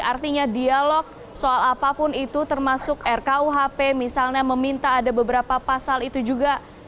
artinya dialog soal apapun itu termasuk rkuhp misalnya meminta ada beberapa pasal itu juga